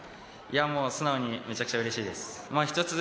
素直にめちゃくちゃうれしいです。